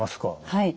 はい。